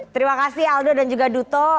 terima kasih aldo dan juga duto